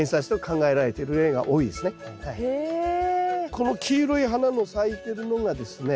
この黄色い花の咲いてるのがですね